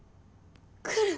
来る！